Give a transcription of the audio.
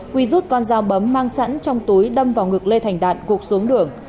huy rút con dao bấm mang sẵn trong túi đâm vào ngực lê thành đạt gục xuống đường